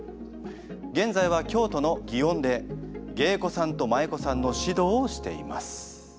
現在は京都の祗園で芸妓さんと舞妓さんの指導をしています。